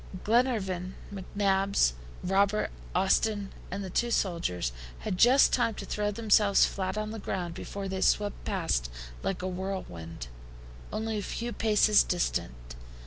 Glenarvan, McNabbs, Robert, Austin, and the two sailors, had just time to throw themselves flat on the ground before they swept past like a whirlwind, only a few paces distant.